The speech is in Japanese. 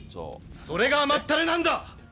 それが甘ったれなんだ！